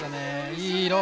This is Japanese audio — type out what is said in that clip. いい色！